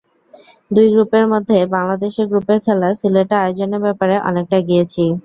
দুই গ্রুপের মধ্যে বাংলাদেশের গ্রুপের খেলা সিলেটে আয়োজনের ব্যাপারে অনেকটা এগিয়েছি।